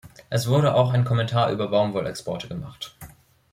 Es wurde auch ein Kommentar über Baumwollexporte gemacht.